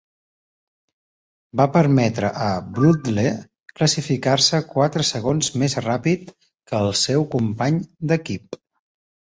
Va permetre a Brundle classificar-se quatre segons més ràpid que el seu company d'equip.